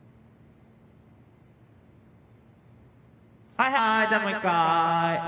はいはいじゃあもう１回。